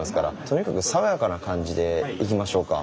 とにかくさわやかな感じでいきましょうか。